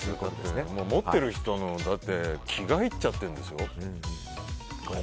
持ってる人の気が入っちゃってるんですよ。